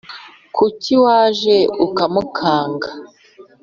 Kuki waje ukamukanga